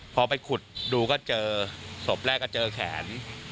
พอไปขุดดูก็เจอศพแรกก็เจอแขน